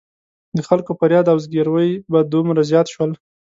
د خلکو فریاد او زګېروي به دومره زیات شول.